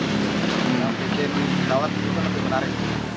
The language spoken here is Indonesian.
yang bikin dawet itu lebih menarik